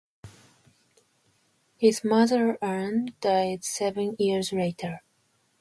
His mother, Ann, died seven years later.